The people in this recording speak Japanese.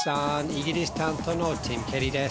イギリス担当のティム・ケリーです。